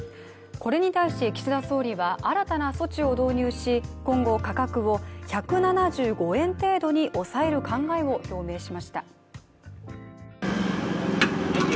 これに対し、岸田総理は新たな措置を導入し今後、価格を１７５円程度に抑える考えを表明しました。